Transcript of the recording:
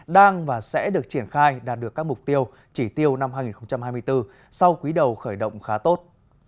đang và sẽ được triển khai đạt được các mục tiêu chỉ tiêu năm hai nghìn hai mươi bốn sau quý đầu khởi động khá tốt